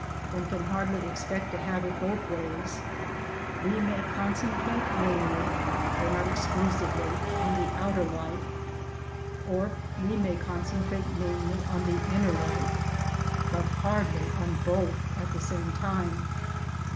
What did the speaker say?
One can hardly expect to have it both ways. We may concentrate mainly (though not exclusively) on the outer life, or we may concentrate mainly on the inner life, but hardly on both at the same time.